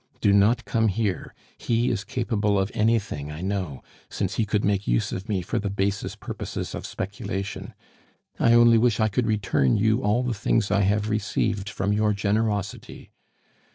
Do not come here, he is capable of anything I know, since he could make use of me for the basest purposes of speculation. I only wish I could return you all the things I have received from your generosity.